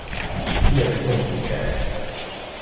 啲嘢食都唔熱嘅？